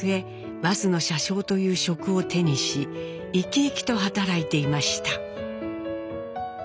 バスの車掌という職を手にし生き生きと働いていました。